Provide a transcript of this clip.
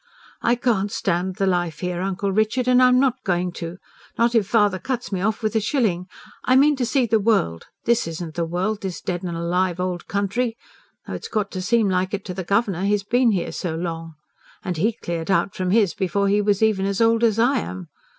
"I can't stand the life here, Uncle Richard, and I'm not going to not if father cuts me off with a shilling! I mean to see the world. THIS isn't the world this dead and alive old country! ... though it's got to seem like it to the governor, he's been here so long. And HE cleared out from his before he was even as old as I am.